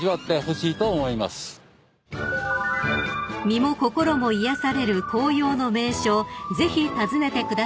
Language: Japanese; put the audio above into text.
［身も心も癒やされる紅葉の名所をぜひ訪ねてくださいね］